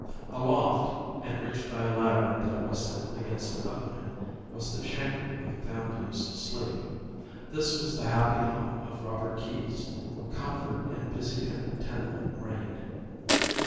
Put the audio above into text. Aloft, and reached by a ladder that rested against an opening, was the chamber where the family used to sleep. This was the happy home of Robert Keyes, where comfort and busy contentment reigned.